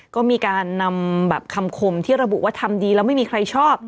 ก็มีการนำแบบคำคมที่ระบุว่าทำดีแล้วไม่มีใครชอบ